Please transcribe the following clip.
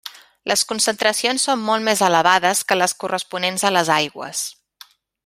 Les concentracions són molt més elevades que les corresponents a les aigües.